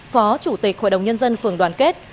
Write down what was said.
phó chủ tịch hội đồng nhân dân phường đoàn kết